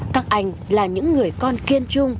các anh là những người con kiên trung